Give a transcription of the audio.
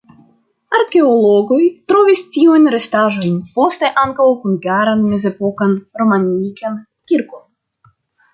Arkeologoj trovis tiujn restaĵojn, poste ankaŭ hungaran mezepokan romanikan kirkon.